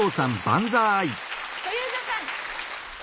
小遊三さん。